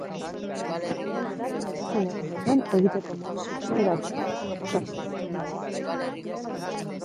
Udako edozein egunetan egiteko moduko osteratxoa proposatuko digu.